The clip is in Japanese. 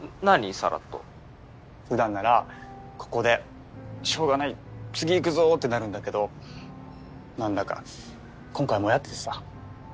さらっとふだんならここでしょうがない次いくぞってなるんだけどなんだか今回モヤっててさ